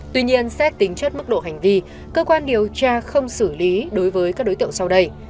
tuy nhiên xét tính chất mức độ hành vi cơ quan điều tra không xử lý đối với các đối tượng sau đây